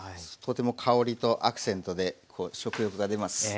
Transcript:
とても香りとアクセントで食欲が出ます。